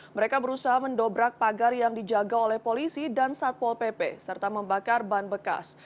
mereka berusaha mendobrak pagar yang dijaga oleh polisi dan satpol pp serta membakar ban bekas